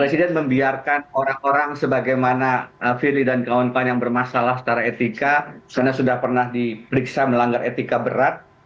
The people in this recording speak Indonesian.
presiden membiarkan orang orang sebagaimana firly dan kawan kawan yang bermasalah secara etika karena sudah pernah diperiksa melanggar etika berat